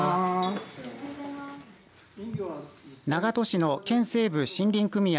長門市の県西部森林組合